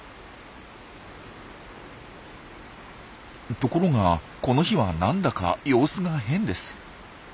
ところがこの日はなんだか様子が変です。